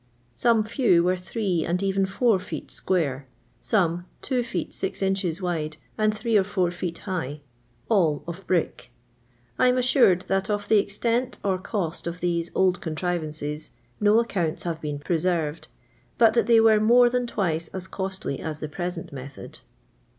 Some few were three and even four feet square; some two feet six inches wide, and three or four feet high ; all of brick. I am assured that of the extent or cost of these old contrivances uo aicciiuiiis have been preserved, but that they were more than twice as costly as the present method.